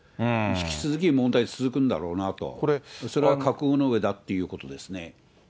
引き続き問題続くんだろうなと、それは覚悟の上だということですね。